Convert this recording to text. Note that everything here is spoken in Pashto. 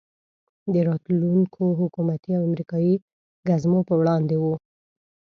د راتلونکو حکومتي او امریکایي ګزمو په وړاندې وو.